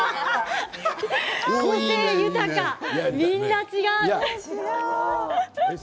個性豊か、みんな違う。